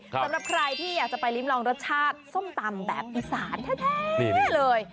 สำหรับใครที่อยากจะไปริ้มลองรสชาติส้มตำแบบอีสานแท้นี่เลย